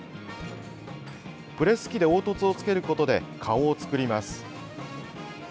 プレス機で凹凸をつけることで顔を作ります。